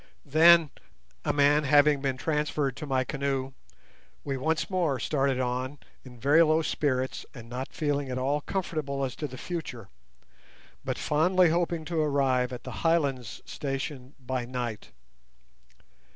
Then, a man having been transferred to my canoe, we once more started on in very low spirits and not feeling at all comfortable as to the future, but fondly hoping to arrive at the "Highlands" station by night.